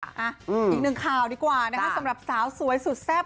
อีกนึงข่ากว่าสำหรับสาวสวยสุดแซ่บ